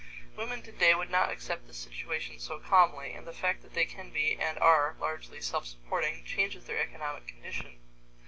Women today would not accept this situation so calmly, and the fact that they can be and are largely self supporting changes their economic condition.